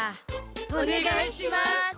おねがいします。